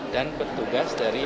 dan petugas dari ishub